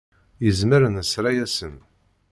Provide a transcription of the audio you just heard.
Izmer nesra-yasen.